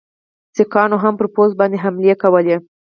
سیکهانو هم پر پوځ باندي حملې کولې.